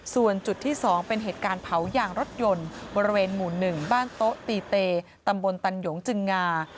ส่วนจุดที่๒เป็นเหตุการณ์เผายางรถยนต์บริเวณหมู่๑บ้านโต๊ะตีเตตำบลตันหยงจึงงา